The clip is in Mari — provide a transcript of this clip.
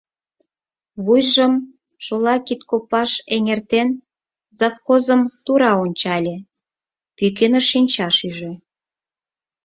Вуйжым шола кид копаш эҥертен, завхозым тура ончале, пӱкеныш шинчаш ӱжӧ.